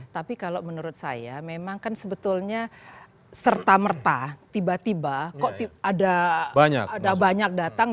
tapi kalau menurut saya memang kan sebetulnya serta merta tiba tiba kok ada banyak datang